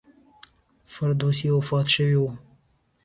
فردوسي وفات شوی و.